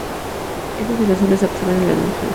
Estos aerosoles absorben la luz solar.